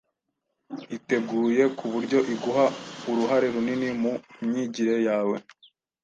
iteguye ku buryo iguha uruhare runini mu myigire yawe